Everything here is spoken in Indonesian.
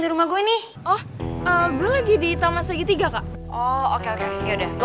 rumah gue nih oh gue lagi di itama segitiga kak oh oke oke ya udah gue